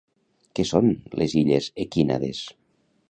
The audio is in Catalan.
Què són les illes Equínades?